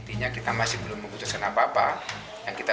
intinya kita masih belum memutuskan apa apa